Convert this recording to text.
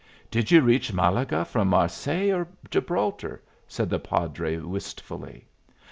"Did you reach Malaga from Marseilles or Gibraltar?" said the padre, wistfully.